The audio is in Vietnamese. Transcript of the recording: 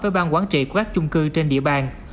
với bang quản trị các chung cư trên địa bàn